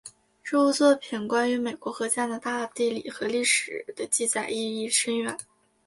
这部作品关于美国和加拿大的地理和历史的记载意义深远。